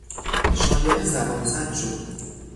شایعه زبانزد شد.